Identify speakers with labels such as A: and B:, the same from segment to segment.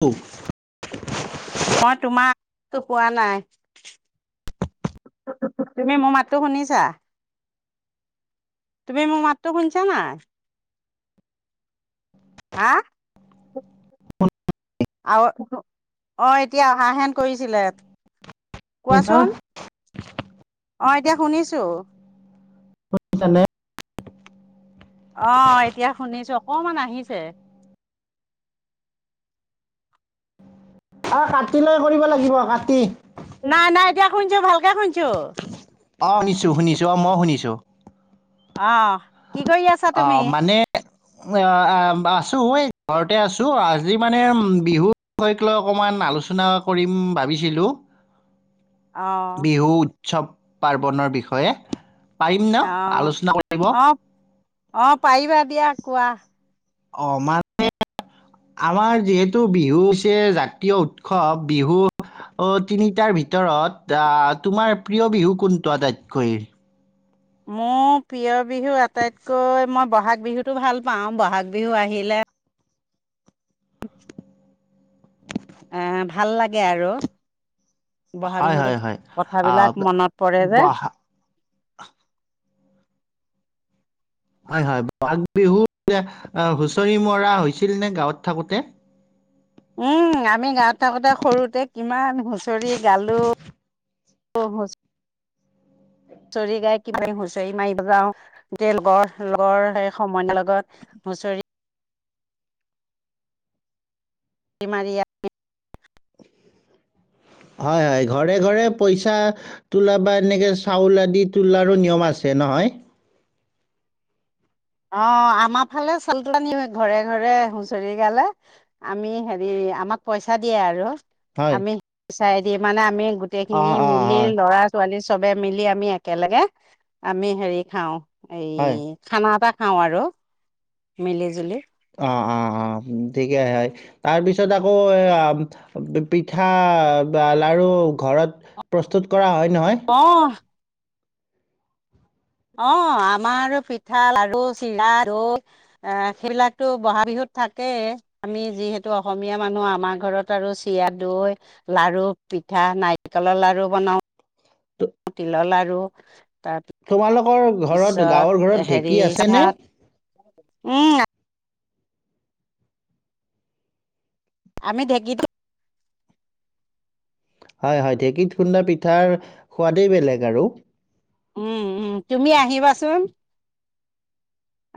A: গ [inaudible]
B: মই তোমাৰো কোৱা নাই তুমি মোৰ মাতটো শুনিছা তুমি মোৰ মাতটো শুনিছা নাই? হা আৰু অ' এতিয়া অহা হেন কৰিছিলে। কোৱাচোন
A: শুনিছানে
B: অ' এতিয়া শুনিছো।
A: তোক মানে
B: অ' এতিয়া শুনিছো অকমান আহিছে।
A: অ' কাট লৈ কৰিব লাগিব কাটি।
B: নাই নাই এতিয়া শুনিছো ভালকে শুনিছো।
A: অ' শুনিছো শুনিছো অ' মই শুনিছো।
B: অ' কি কৰি আছা তুমি
A: অ' মানে অ' অ' অ' আছো এই ঘৰতে আছো আজি মানে বিহুৰ বিষয়ক লৈ অকমান আলোচনা কৰিম ভাবিছিলোঁ‌।
B: অ
A: বিহুত উৎসৱ পাৰ্বণৰ বিষয়ে পাৰিম ন
B: অ
A: আলোচনা কৰিব
B: অ অ পাৰিবা দিয়া কোৱা
A: আহ মানে আমাৰ যিহেতু বিহু হৈছে জাতীয় উৎসৱ বিহু তিনিটাৰ ভিতৰত আহ তোমাৰ প্ৰিয় বিহু কোনটো আটাইতকৈ
B: মোৰ প্ৰিয় বিহু আটাইতকৈ মই বহাগ বিহুতটো ভাল পাওঁ বহাগ বিহু আহিলে এ ভাল লাগে আৰু বহাগ
A: হয় হয়
B: বিহুতত
A: হয় আহ
B: কথাবিলাক মনত পৰে যে
A: বা- হয় হয় বহাগ বিহুত হুঁচৰি মৰা হৈছিল নে গাঁৱত থাকোতে
B: উম আমি গাৱত থাকোতে সৰুতে কিমান হুচৰি গালো হুচৰি গাই কি হুচৰি মাৰিব যাওঁ তে লগৰ লগৰ সমনীয়াৰ লগত হুচৰি এইমাৰীয়া
A: হয় হয় ঘৰে ঘৰে পইচা তোলা বা এনেকে চাউল আদি তোলাৰো নিয়ম আছে নহয়
B: অ আমাৰ ফালে চাউল তোলা ন ঘৰে ঘৰে হুঁচৰি গালে আমি হেৰি আমাক পইচা দিয়ে আৰু।
A: হয়
B: চাই দি মানে আমি গোটেই খিনি
A: অঁ অঁ
B: মিলি
A: হয়
B: ল'ৰা ছোৱালী চ চবে মিলি আমি একেলগে আমি হেৰি খাওঁ। এই
A: হয়
B: খানা এটা খাও আৰু মিলি জুলি
A: অ অ অ ঠিকে হয় তাৰপিছত আকৌ এ পিঠা বা লাৰু ঘৰত প্ৰস্তুত কৰা হয় নহয়
B: অ অ আমাৰ আৰু পিঠা লাৰু চিৰা দৈ সেইবিলাকতো বহাগ বিহুত থাকেই আমি যিহেতু অসমীয়া মানুহ আমাৰ ঘৰত আৰু চিৰা দৈ লাৰু পিঠা নাৰিকলৰ লাৰু বনাওঁ
A: তো-
B: তুলা লা আৰু
A: তোমালোকৰ ঘৰত গাঁৱৰ ঘৰত
B: হেৰি
A: ঢেঁকী আছে নে
B: পিঠাত উম, আমি ঢেঁকীটো
A: হয় হয় ঢেঁকীত খুন্দা পিঠাৰ সোৱাদেই বেলেগ আৰু
B: উম উম তুমি আহিবাচোন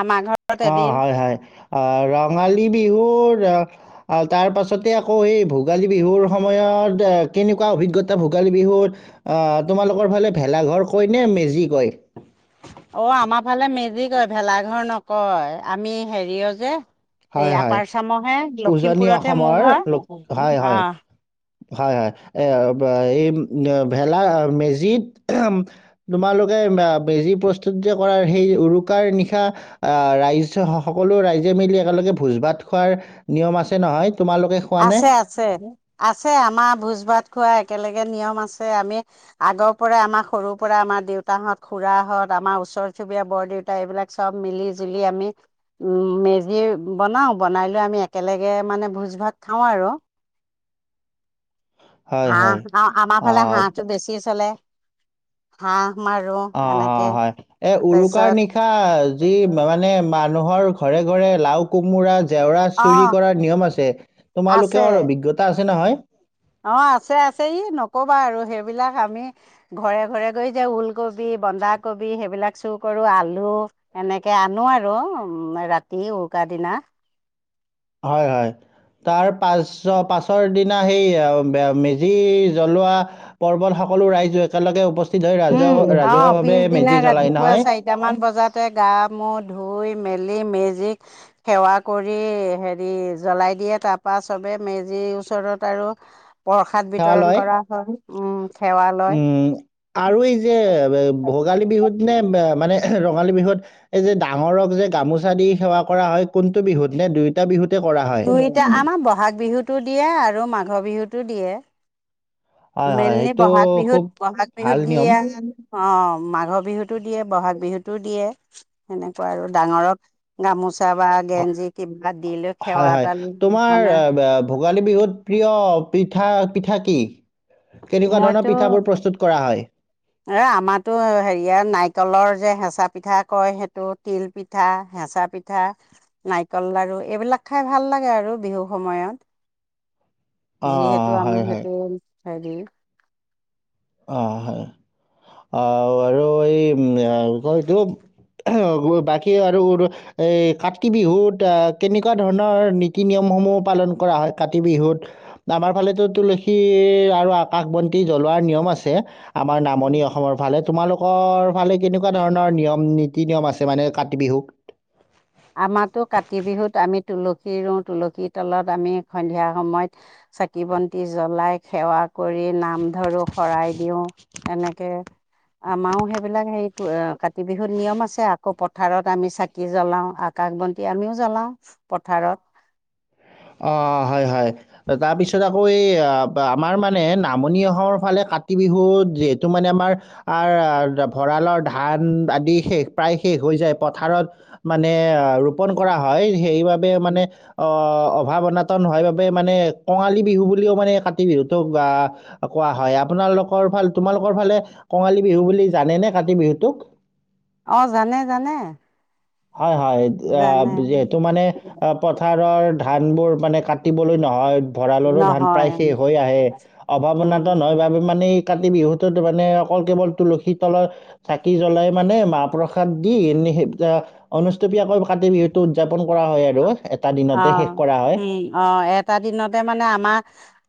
B: আমাৰ ঘৰত
A: অ
B: এদিন।
A: হয় হয় অ ৰঙালী বিহু বিহুৰ আহ তাৰ পাছতে আকৌ এই ভোগালী বিহুৰ সময়ত কেনেকুৱা অভিজ্ঞতা ভোগালী বিহুৰ অহ তোমালোকৰ ফালে ভেলাঘৰ কয় নে মেজি কয়
B: অ আমাৰ ফালে মেজিক কয় ভেলাঘৰ নকয় আমি হেৰি অ যে এই
A: হয় হয়
B: আপাৰ চামহে
A: উজনি
B: লখিমপুৰতহে
A: অসমৰ
B: মোৰ ঘৰ
A: লোক হয় হয়
B: অহ
A: হয় হয় এ এই ভেলা মেজিত তোমালোকে মেজি প্ৰস্তুতি কৰাৰ সেই উৰুকাৰ নিশা আহ ৰাইজ সকলো ৰাইজে মিলি একেলগে ভোজ ভাত খোৱাৰ নিয়ম আছে নহয় তোমালোকে খোৱানে
B: আছে আছে আছে আমাৰ ভোজ ভাত খোৱা একেলগে নিয়ম আছে আমি আগৰ পৰাই আমাৰ সৰুৰ পৰা আমাৰ দেউতাহঁত খুড়াহত আমাৰ ওচৰ চুবুৰীয়া বৰ দেউতা এইবিলাক চব মিলি জুলি আমি উম মেজি বনাও বনাই লৈ আমি একেলগে মানে ভোজ ভাত খাওঁ আৰু
A: হয় হয়
B: হা আমাৰ ফালে
A: অ',
B: হাঁহটো বেছি চলে হাহ‍ঁ
A: অ অ হয় এ উৰুকাৰ
B: তাৰপিছত
A: নিশা যি মানে মানে মানুহৰ ঘৰে ঘৰে লাও কোমোৰা জেওৰা
B: অ
A: চুৰি, কৰাৰ নিয়ম আছে তোমালোকেও
B: আছে
A: অভিজ্ঞতা আছে। আছে নহয়।
B: অ আছে আছে ই নকবা আৰু সেইবিলাক আমি ঘৰে ঘৰে গৈ যে ওলকবি, বন্ধাকবি, সেইবিলাক চুৰ কৰো আলু, এনেকে আনো আৰু ৰাতি উৰুকা দিনা।
A: হয় হয় তাৰ পাছ পাছৰ দিনা সেই মেজি জ্বলোৱা পৰ্বত সকলো ৰাইজো একেলগে উপস্থিত, হৈ
B: উম
A: ৰাজহুৱা
B: অ
A: ৰাজহুৱাভাৱে
B: পিছদিনা
A: মেজি জ্বলাই
B: ৰাতিপুৱা
A: নহয়,
B: চাৰিটামান বজাতে গা মূৰ ধুই মেলি মেজি মেজি সেৱা কৰি হেৰি জ্বলাই দিয়ে তাৰপা চবে মেজিৰ ওচৰত আৰু প্ৰসাদ
A: সেৱা
B: বিতৰণ
A: লয়।
B: কৰা হয় উম সেৱা লয়।
A: উম, আৰু এই যে ভোগালী বিহুত, নে মানে ৰঙালী বিহুত, এই যে ডাঙৰক যে গামোচা দি সেৱা কৰা হয় কোনটো বিহুত নে দুয়ইটা বিহুত-
B: দুই এতিয়া আমাৰ ব'হাগ, বিহুতো দিয়ে আৰু মাঘৰ, বিহুতো তু দিয়ে।
A: হয়, হয়,
B: মেলনে
A: সেইটো
B: বহাগ বিহুত
A: খুব
B: বহাগ বিহুত
A: ভাল
B: দিয়ে
A: নিয়ম।
B: যানো অ মাঘৰ, বিহুতো দিয়ে বহাগ, বিহুতো দিয়ে সেনেকুৱা আৰু ডাঙৰক গামোচা বা গেঞ্জি কিবা দি লৈ
A: হয়
B: সেৱা
A: হয়
B: এটা লৈ মানে
A: তোমাৰ ভোগালী, বিহুত প্ৰিয় পিঠা পিঠা কি? কেনেকুৱা ধৰণৰ
B: মইতো
A: পিঠাবোৰ প্ৰস্তুত কৰা হয়।
B: এ আমাতো হেৰিয় ন নাৰিকলৰ, যে হেঁচা পিঠা, কয় সেইটো তিল পিঠা, হেঁচা পিঠা নাৰিকল, লাৰু এইবিলাক খাই ভাল লাগে। আৰু বিহু সময়ত
A: অ',
B: যিহেতু
A: হয়,
B: আমাৰ
A: হয়।
B: সেইটো খাই দিও
A: অ হয় অ আৰু এই উম কয় এইতো বাকী আৰু এই কাতি, বিহুত কেনেকুৱা ধৰণৰ নীতি নিয়মসমূহ পালন কৰা হয় কাতি বিহুত আমাৰ ফালেতো তুলসী, আৰু আকাশ বন্তি, জ্বলোৱাৰ নিয়ম আছে। আছে আমাৰ নামনি অসমৰ ফালে তোমালোকৰ ফালে কেনেকুৱা ধৰণৰ নিয়ম নীতি নিয়ম আছে মানে কাতি বিহুত।
B: আমাৰ তো কাতি বিহুত আমি তুলসী, ৰুওঁ, তুলসীৰ, তলত আমি সন্ধিয়া সময়ত চাকি বন্তি জ্বলাই সেৱা কৰি নাম, ' ধৰো, শৰাই দিওঁ। এনেকে আমাৰো সেইবিলাক হেৰিত অ কাতি বিহুত নিয়ম আছে আকো পথাৰত, আমি চাকি জ্বলাও। আকাশ, বন্তি আমিও জ্বলাও পথাৰত।
A: অ হয় হয়। তাৰপিছত আকৌ এই ব - আমাৰ মানে নামনি অসমৰ ফালে কাতি, বিহুত যিহেতু মানে আমাৰ আৰ - ভঁৰালৰ, ধান, আদি শেষ প্ৰায় শেষ হৈ যায় পথাৰত মানে ৰোপন কৰা হয় সেইবাবে বে মানে অ অভাৱ অনাতন হয় বাবে মানে কঙালী বিহু বুলিও মানে কাতি বিহুটোক বা - কোৱা হয়। আপোনালোকৰ ফালে তোমালোকৰ ফালে কঙালী, বিহু বুলি জানে নে কাতি বিহুটোক?
B: অ জানে জানে
A: হয় হয় অ
B: জানে
A: যিহেতু মানে অ পথাৰ ধানবোৰ মানে কাটিবলৈ নহয়। ভঁৰালৰো ধান
B: নহয়
A: প্ৰায় শেষ হৈ আহে, অভাৱনাাত নহয় বাবে
B: উম
A: মানে এই কাতি বিহুত মানে অকল কেৱল তুলসীৰ তলত চাকি জ্বলাই মানে মাহ প্ৰসাদ দি এনে অনুষ্টপিয়া আকৌ কাতি বিহুত উদযাপন কৰা হয় আৰু এটা
B: অ
A: দিনতে শেষ কৰা হয়।
B: উম অ এটা দিনতে মানে আমাৰ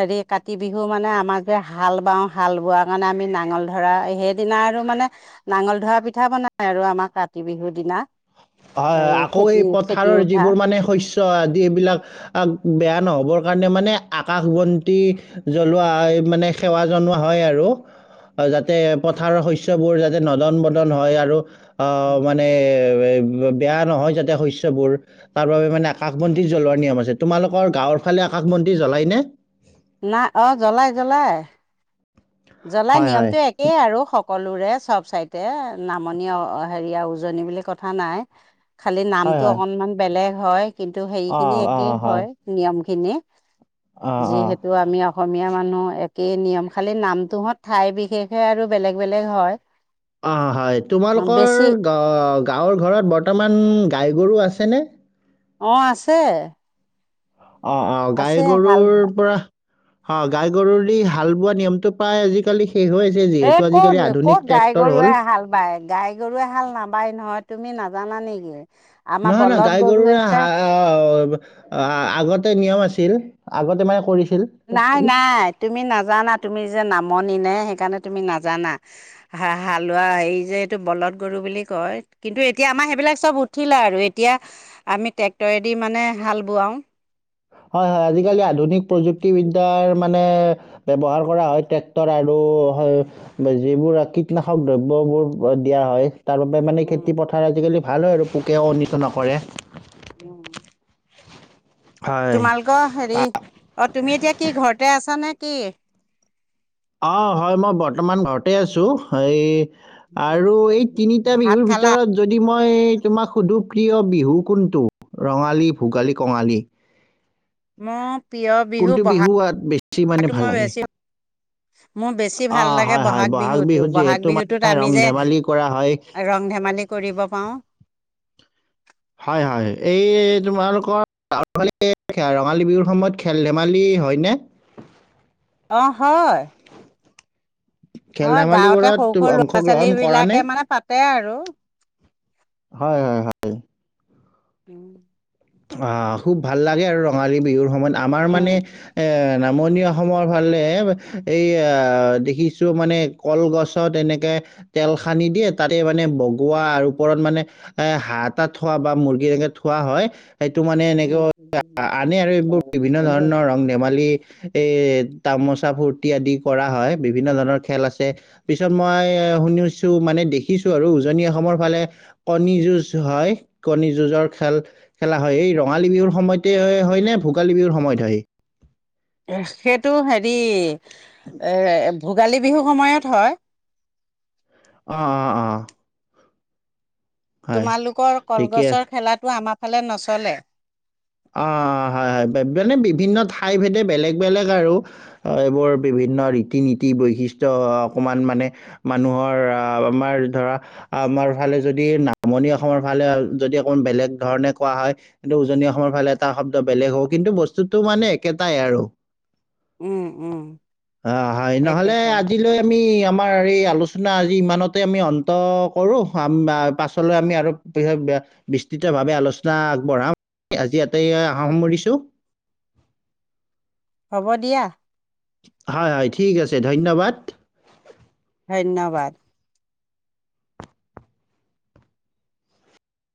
B: হেৰি কাতি বিহু মানে আমাক যে হাল বাওঁ হাল বোৱা কাৰণে আমি নাঙল ধৰা সেইদিনা আৰু মানে নাঙল ধৰা পিঠা বনাই আৰু আমাৰ কাতি বিহুৰ দিনা
A: হয় আকৌ এই
B: খেতি খেতি
A: পথাৰৰ
B: উঠা
A: যিবোৰ মানে শস্য আদি এইবিলাক বেয়া নহ'বৰ কাৰণে মানে আকাশ বন্তি জ্বলোৱা মানে সেৱা জনোৱা হয় আৰু যাতে পথাৰৰ শস্যবোৰ যাতে নদন বদন হয় আৰু অ মানে হয় [unintelligible] বেয়া নহয় যাতে শস্যবোৰ তাৰ বাবে মানে আকাশ বন্তি জ্বলোৱাৰ নিয়ম আছে তোমালোকৰ গাঁৱৰ ফালে আকাশ বন্তি জ্বলাই নে?
B: না অ জ্বলাই জ্বলাই জ্বলাই
A: হয় হয়
B: নিয়মটো একেই আৰু কলোৰে চব চাইতে নামনি হেৰিয়া উজনি বুলি কথা নাই খালি
A: হয়
B: নামতটো
A: হয়
B: অকনমান বেলেগ হয় কিন্তু হেৰি খিনি
A: অঁ
B: একেই
A: অঁ
B: হয় নিয়ম খিনি
A: অঁ অঁ
B: যিহেতু আমি অসমীয়া মানুহ একেই নিয়ম খালী নাম তোহঁত ঠাই বিশেষে আৰু বেলেগ বেলেগ হয়
A: অ হয় তোমালোকৰ
B: বেছি
A: গাঁৱৰ ঘৰত বৰ্তমান গাইগৰু আছেনে?
B: অ আছে
A: অ অ গাই
B: আছে হাল
A: গৰুৰ পৰা অ গাই গৰুৰি হাল বোৱা নিয়মটো প্ৰায় আজিকালি শেষ হৈ আছে
B: এ
A: যিহেতু
B: ক'ত
A: আজিকালি আধুনিক
B: কত গাই
A: ট্ৰেক্টৰ হ'ল।
B: গৰুৱে হাল বায় গাই গৰুৱে হাল নাবায় নহয় তুমি নাজানা নেকি আমাৰ
A: নহয় নহয়
B: বলধ
A: গাই গৰুৰে
B: গৰুৱেহে
A: আগতে নিয়ম আছিল ছিল আগতে মানে কৰিছিল
B: নাই নাই তুমি নাজানা তুমি নামনি নে সেইকাৰণে তুমি নাযানা, বা হালোৱা সেই যে এইটো বল গৰু বুলি কয়, কিন্তু এতিয়া আমাৰ সেইবিলাক চব উঠিলে আৰু এতিয়া আমি ট্ৰেক্টৰেদি মানে হাল বোৱাওঁ
A: হয় হয় আজিকালি আধুনিক প্ৰযুক্তি [unintelligible] মানে ব্যৱহাৰ কৰা হয়। ট্ৰেক্টৰ আৰু হয় যিবোৰ কীটনাশক দ্ৰব্যবোৰ দিয়া হয়। তাৰ বাবে মানে খেতি
B: বোৱাওঁ
A: পথাৰ আজি কালি ভাল হয় আৰু। পোকে অনিষ্ঠ নকৰে।
B: ওম ওম।
A: হয়
B: তোমালোকৰ হেৰি অ তুমি এতিয়া কি ঘৰতে আছা নে? ত
A: অ' হয় মই বৰ্তমান ঘৰতে আছো এই আৰু এই তিনিটা
B: ভাত
A: বিহুৰ
B: খালা
A: ভিতৰত যদি মই তোমাৰ সুদু প্ৰিয় বিহু কোনটো ৰঙালী ভোগালী কঙালী
B: মোৰ প্ৰিয় বিহু
A: কোনটো আ- বেছি মানে
B: বহাগহটো
A: ভাল
B: মই
A: লাগে
B: বেছি। মোৰ বেছি
A: অ
B: ভাল লাগে
A: হয় হয়
B: বহাগ বিহুতটো
A: বিহুত
B: বহাগ
A: যিহেতু
B: বিহুতত
A: মানে
B: আমি
A: ৰং
B: যে
A: ধেমালি কৰা হয়
B: ৰং ধেমালি। কৰিব পাওঁ।
A: হয় হয় এই তোমালোকৰ ৰালী ৰঙালী বিহুৰ সময়ত খেল ধেমালি হয়নে
B: অ'
A: খেল
B: হয় গাঁৱতে
A: ধেমালিবোৰত
B: সৰু
A: তুমি
B: সৰু ল'ৰা ছোৱালী
A: অংশগ্ৰহণ কৰানে
B: বিলাকে মানে পাতে আৰু [inaudible]
A: হয় হয় হয়
B: উম
A: অ' খুব ভাল লাগে আৰু ৰঙালী বিহুৰ সময়ত। আমাৰ মানে এ নামনি অসমৰ ফালে এই আহ দেখিছো মানে কলগছত এনেকে তেল সানি দিয়ে তাতে মানে বগোৱা আৰু ওপৰত মানে এ হাঁহ তটা থোৱা বা মুৰ্গী এনেকে থোৱা হয়। সেইটো মানে
B: উম
A: এনেকৈ আনে আৰু এইবোৰ বিভিন্ন ধৰণৰ ৰং ধেমালি। এৰ তামোচা ফূুৰ্তি আদি কৰা হয় বিভিন্ন ধৰণৰ খেল আছে পিছত মই এ শুনিছো মানে দেখিছো আৰু উজনি অসমৰ ফালে কণী যুঁজ হয় কণী যুঁজৰ খেল খেলা হয় এই ৰঙালী বিহুৰ সময়তে হয় নে ভোগালী বিহুৰ সময়ত হয়।
B: সেইটো হেৰি এ ভোগালী বিহুৰ সময়ত হয়।
A: অ' অ' অ'। হয়
B: তোমালোকৰ
A: ঠিকে আছে
B: কলগছৰ খেলাটো আমাৰ আমাৰ ফালে নচলে
A: অ হয় হয় মানে বিভিন্ন ঠাই ভেদে বেলেগ বেলেগ আৰু এইবোৰ বিভিন্ন ৰীতি নীতি বৈশিষ্টয় অকমান মানে মানুহৰ আহ আমাৰ ধৰা আমাৰ ফালে যদি নামনি অসমৰ ফালে যদি অকমান বেলেগ ধৰণে কোৱা হয় কিন্ত উজনি অসম। অসমৰ ফালে এটা শব্দ বেলেগ হ' কিন্তু বস্তুতটো মানে একেটাই আৰু
B: উম উম
A: অ' হয় নহলে
B: একেটা
A: আজিলৈ আমি আমাৰ এই আলোচনা আজি ইমানত। আমি অন্ত কৰো পাছলৈ আমি আৰু বিস্তৃতভাৱে আলোচনা আগবঢ়াম। আজি আটাই আহাৰ সামৰিছোঁ।
B: হ'ব দিয়া।
A: হয় হয় ঠিক আছে ধন্যবাদ।
B: ধন্যবাদ।